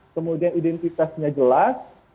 kemudian identitasnya jelas